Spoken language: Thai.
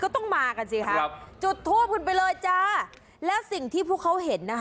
ต้องมากันสิครับจุดทูปคุณไปเลยจ้าและสิ่งที่พวกเขาเห็นนะคะ